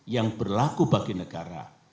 yang berlaku bagi negara